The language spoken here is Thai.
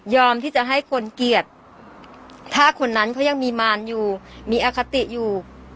ที่จะให้คนเกลียดถ้าคนนั้นเขายังมีมารอยู่มีอคติอยู่